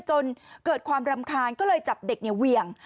จนเกิดความรำคาญก็เลยจับเด็กเนี่ยเหวี่ยง